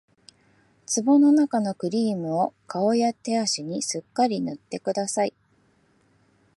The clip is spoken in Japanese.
壺のなかのクリームを顔や手足にすっかり塗ってください